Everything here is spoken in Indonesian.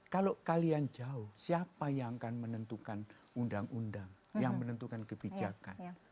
kalau kalian jauh siapa yang akan menentukan undang undang yang menentukan kebijakan